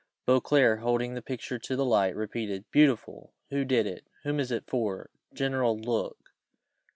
Beauclerc, holding the picture to the light, repeated, "Beautiful! who did it? whom is it for? General, look!